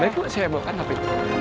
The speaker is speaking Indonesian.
baik bu saya bawa kan hape